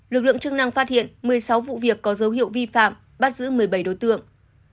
lực lượng chức năng phát hiện một mươi sáu vụ việc có dấu hiệu vi phạm bắt giữ một mươi bảy đối tượng